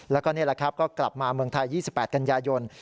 แล้วก็นี่แหละครับก็กลับมาเมืองไทย๒๘กันยายน